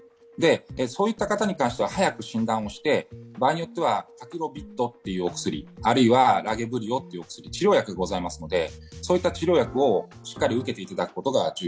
そういった方に対しては、早く診断をして、場合によってはあるいはラゲブリオというお薬治療薬がありますのでそういった治療薬をしっかり受けていただくことが重要。